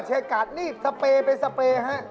แชนกายนี้สเปรย์ไปฮะ